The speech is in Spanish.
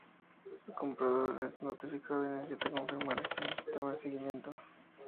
El comprador es notificado y necesita confirmar esto en el sistema de seguimiento.